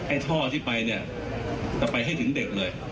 ท่อที่ไปเนี่ยจะไปให้ถึงเด็กเลย